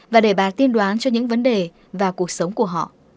và để bà tiên đoán cho những vấn đề và cuộc sống của họ